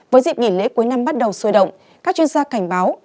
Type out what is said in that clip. với dịp nghỉ lễ cuối năm bắt đầu sôi động các chuyên gia cảnh báo